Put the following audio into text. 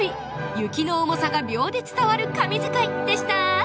雪の重さが秒で伝わる神図解でした